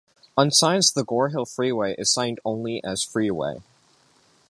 On signs the Gore Hill Freeway is signed only as "Freeway".